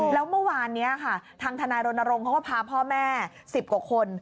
แล้วเมื่อวานนี้ค่ะทางทนายรณรงค์เขาก็พาพ่อแม่๑๐กว่าคน